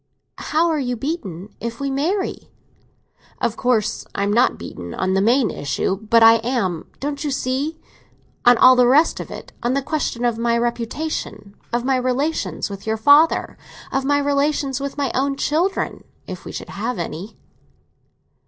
"How are you beaten if we marry?" "Of course, I am not beaten on the main issue; but I am, don't you see, on all the rest of it—on the question of my reputation, of my relations with your father, of my relations with my own children, if we should have any."